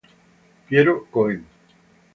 Piero Coen